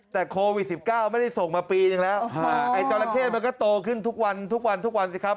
แต่โควิด๑๙ไม่ได้ส่งมาปีนึงแล้วไอ้เจ้าลักษณ์มันก็โตขึ้นทุกวันสิครับ